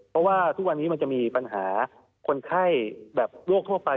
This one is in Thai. เพราะว่าทุกวันนี้มันจะมีปัญหาคนไข้แบบโรคทั่วไป